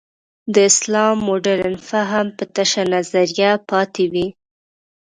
د اسلام مډرن فهم به تشه نظریه پاتې وي.